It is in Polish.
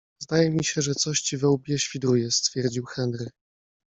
- Zdaje mi się, że coś ci we łbie świdruje - stwierdził Henry.